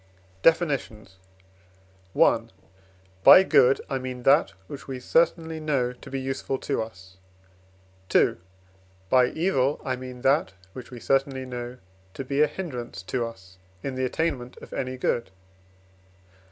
DEFINITIONS. I. By good I mean that which we certainly know to be useful to us. II. By evil I mean that which we certainly know to be a hindrance to us in the attainment of any good.